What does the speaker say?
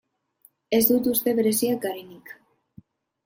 Ez dut uste bereziak garenik.